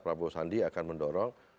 prabowo sandi akan mendorong